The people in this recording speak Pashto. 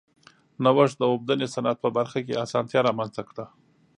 نوښت د اوبدنې صنعت په برخه کې اسانتیا رامنځته کړه.